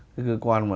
cái cơ quan mà